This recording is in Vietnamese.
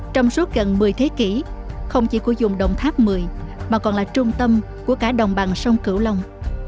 trong suốt gần một mươi thế kỷ không chỉ khu vùng động tháp một mươi mà còn là trung tâm của cả đồng bằng sông cửu long